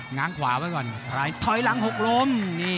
น้ำขวาวะก่อน